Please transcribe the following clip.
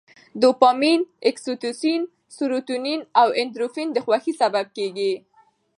دوپامین، اکسي توسین، سروتونین او اندورفین د خوښۍ سبب کېږي.